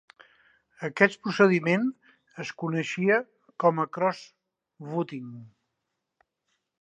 Aquest procediment es coneixia com a "cross-voting".